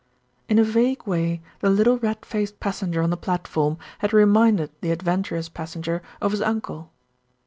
In a vague way the little red faced passenger on the platform had reminded the adventurous passenger of his uncle.